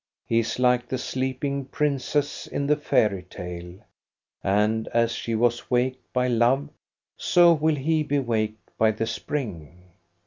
He is like the sleeping princess in the fairy tale; and as she was waked by love, so will he be waked by the spring.